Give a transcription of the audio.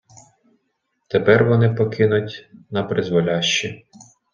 Тепер вони покинуті напризволяще.